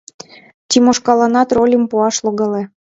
Тимошкаланат рольым пуаш логале.